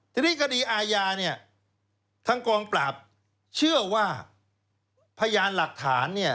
ทีนี้คดีอาญาเนี่ยทางกองปราบเชื่อว่าพยานหลักฐานเนี่ย